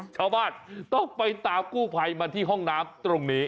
ชาวบ้านต้องไปตามกู้ภัยมาที่ห้องน้ำตรงนี้